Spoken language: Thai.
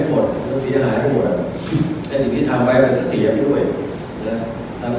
ก็เพิ่งต่ำมา๕เดือนเอง